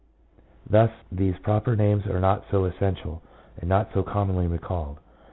Thus these proper names are not so essential, and not so commonly recalled.